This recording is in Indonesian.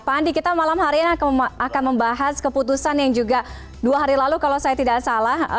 pak andi kita malam hari ini akan membahas keputusan yang juga dua hari lalu kalau saya tidak salah